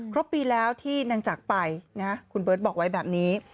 ปีแล้วที่นางจักรไปคุณเบิร์ตบอกไว้แบบนี้